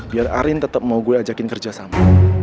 biar ariefki tetep mau gue ajakin kerja sama